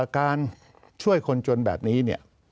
การช่วยคนจนแบบนี้เนี่ย